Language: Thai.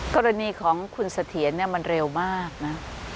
กรณีของคุณเสถียรมันเร็วมากนะ